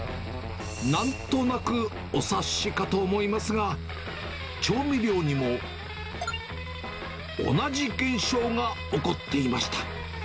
なんとなくお察しかと思いますが、調味料にも同じ現象が起こっていました。